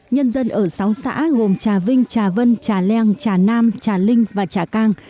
nhân dân ở sáu xã gồm trà vinh trà vân trà leng trà nam trà linh và trà cang